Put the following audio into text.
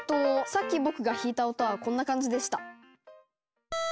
さっき僕が弾いた音はこんな感じでした。